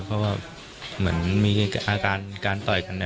เพราะว่าเหมือนมีอาการการต่อยกัน